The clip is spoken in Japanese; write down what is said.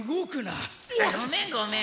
あっごめんごめん。